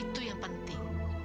itu yang penting